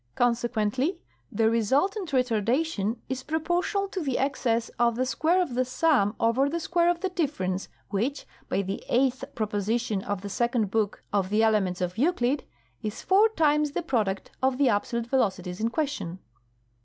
Consequently, the resultant retardation is proportional to the excess of the square of the sum over the square of the difference, which (by the eighth proposition of the second book of the Elements of Euclid) is four times the product of the absolute velocities in question.